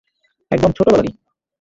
একদম ছোট বেলারই।